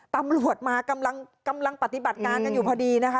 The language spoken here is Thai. ตำรวจมากำลังปฏิบัติการกันอยู่พอดีนะคะ